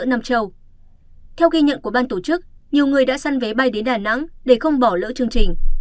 theo ghi nhận của ban tổ chức nhiều người đã săn vé bay đến đà nẵng để không bỏ lỡ chương trình